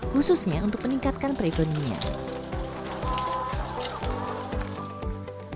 khususnya untuk meningkatkan perekonomian